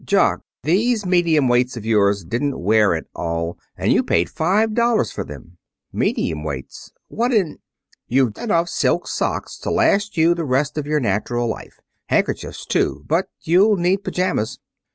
"Jock, these medium weights of yours didn't wear at all, and you paid five dollars for them." "Medium weights! What in " "You've enough silk socks to last you the rest of your natural life. Handkerchiefs, too. But you'll need pajamas."